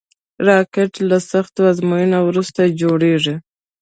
راکټ له سختو ازموینو وروسته جوړېږي